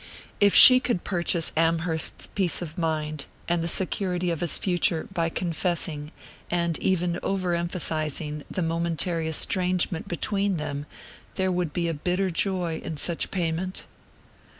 If she could purchase Amherst's peace of mind, and the security of his future, by confessing, and even over emphasizing, the momentary estrangement between them there would be a bitter joy in such payment!